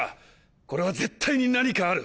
これは絶対に何かある！